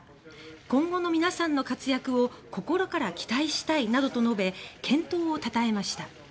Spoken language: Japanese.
今後の皆さんの活躍を心から期待したい」などと述べ健闘を称えました。